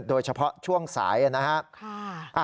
โดยเฉพาะช่วงสายนะครับ